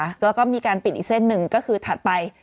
แล้วก็มีการปิดอีกเส้นหนึ่งก็คือถัดไป